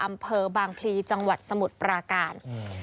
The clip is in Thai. อำเภอบางพลีจังหวัดสมุทรปราการ